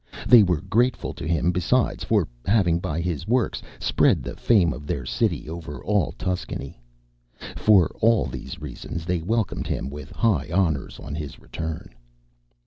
They were grateful to him besides for having by his works spread the fame of their city over all Tuscany. For all these reasons they welcomed him with high honours on his return.